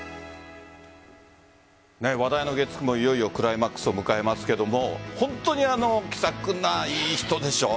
話題の月９もいよいよクライマックスを迎えますが本当に気さくないい人でしょう？